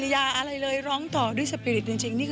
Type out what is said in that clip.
พี่ว่าความมีสปีริตของพี่แหวนเป็นตัวอย่างที่พี่จะนึกถึงเขาเสมอ